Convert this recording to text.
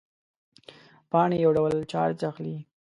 پاڼې یو ډول چارج اخلي.